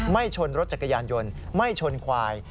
ไม่ชนรถจักรยานยนต์ไม่ชนควาย